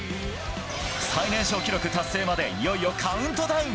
最年少記録達成までいよいよカウントダウン！